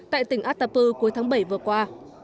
tại tỉnh atapu cuối tháng bảy vừa qua